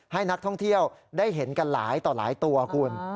ให้นักท่องเที่ยวได้เห็นกันหลายต่อหลายตัวคุณ